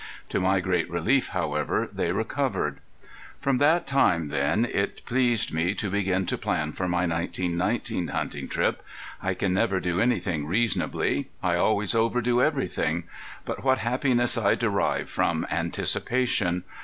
To my great relief, however, they recovered. From that time then it pleased me to begin to plan for my 1919 hunting trip. I can never do anything reasonably. I always overdo everything. But what happiness I derive from anticipation!